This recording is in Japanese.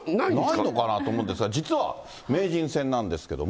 ないのかなと思うんですが、実は名人戦なんですけども。